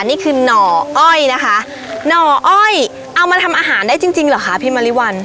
นี่คือหน่ออ้อยนะคะหน่ออ้อยเอามาทำอาหารได้จริงจริงเหรอคะพี่มริวัล